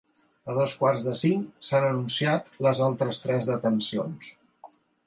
A dos quarts de cinc s’han anunciat les altres tres detencions.